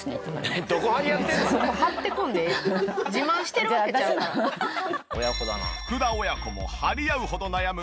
福田親子も張り合うほど悩む体のコリ。